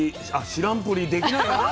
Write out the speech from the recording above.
知らんぷりできないな。